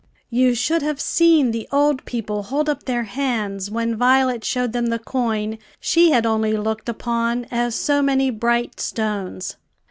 You should have seen the old people hold up their hands when Violet showed them the coin she had only looked upon as so many bright stones.